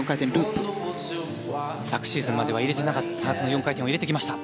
昨シーズンまでは入れていなかった４回転を入れてきました。